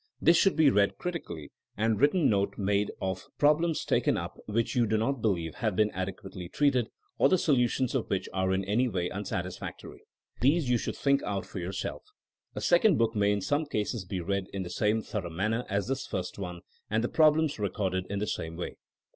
This should be read critically and written note made of the THINKING AS A SCIENCE 143 problems taken up which you do not believe ^ have been adequately treated, or the solutions of which are in any way unsatisfactory. These you should think out for yourself. A second book may in some cases be read in the same thorough manner as this first one, and the prob lems recorded in the same way.